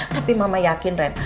tapi mama yakin ren